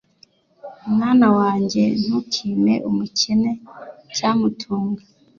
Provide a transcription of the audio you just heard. Mwana wanjye, ntukime umukene icyamutunga,